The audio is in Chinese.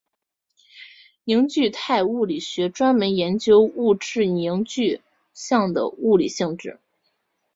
凝聚态物理学专门研究物质凝聚相的物理性质。